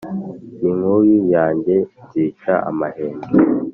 N'inkuyu yanjye nzica amahendo.